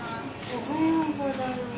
おはようございます。